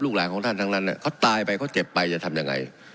หลานของท่านทั้งนั้นเขาตายไปเขาเจ็บไปจะทำยังไง